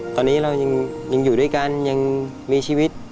ตอนนี้เรายังอยู่ด้วยกันยังมีชีวิต